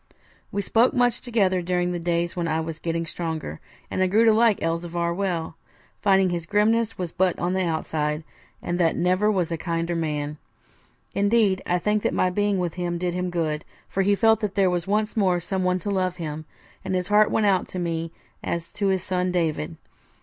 We spoke much together during the days when I was getting stronger, and I grew to like Elzevir well, finding his grimness was but on the outside, and that never was a kinder man. Indeed, I think that my being with him did him good; for he felt that there was once more someone to love him, and his heart went out to me as to his son David.